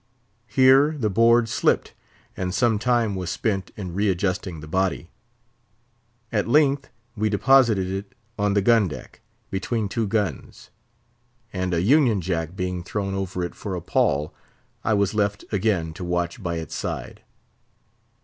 Here the board slipped, and some time was spent in readjusting the body. At length we deposited it on the gun deck, between two guns, and a union jack being thrown over it for a pall, I was left again to watch by its side.